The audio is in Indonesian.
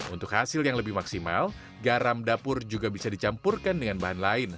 untuk hasil yang lebih maksimal garam dapur juga bisa dicampurkan dengan bahan lain